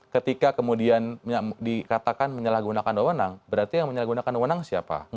ketika kemudian dikatakan menyalahgunakan doa wenang berarti yang menyalahgunakan doa wenang siapa